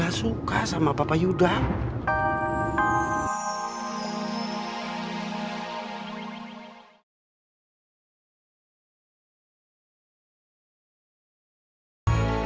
yang sudah bikin papa yuda sama mama rianti berantem